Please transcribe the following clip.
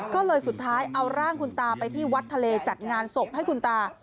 ก็เลยสุดท้ายเอาร่างคุณตาไปที่วัดทะเลจัดงานศพให้คุณตา